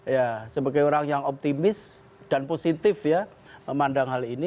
ya sebagai orang yang optimis dan positif ya memandang hal ini